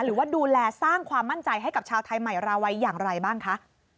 หรือว่าดูแลสร้างความมั่นใจให้กับชาวไทยใหม่ราวัยอย่างไรบ้างคะ